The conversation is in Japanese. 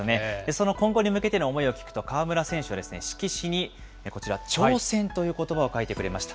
その今後に向けての思いを聞くと、河村選手は色紙にこちら、挑戦ということばを書いてくれました。